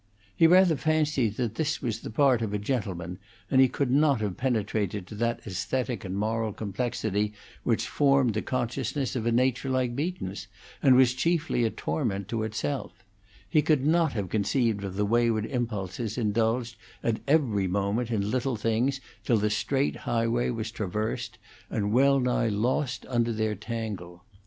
He rather fancied that this was the part of a gentleman, and he could not have penetrated to that aesthetic and moral complexity which formed the consciousness of a nature like Beaton's and was chiefly a torment to itself; he could not have conceived of the wayward impulses indulged at every moment in little things till the straight highway was traversed and well nigh lost under their tangle.